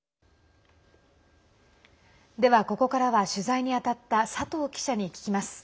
ではここからは取材に当たった佐藤記者に聞きます。